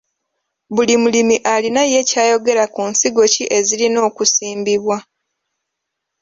Buli mulimi alina ye ky'ayogera ku nsigo ki ezirina okusimbibwa.